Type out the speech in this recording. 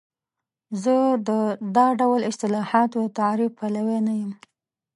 زه د دا ډول اصطلاحاتو د تعریف پلوی نه یم.